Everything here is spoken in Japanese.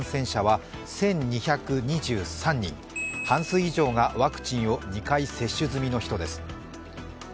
半数以上がワクチンを２回接種済みの人です。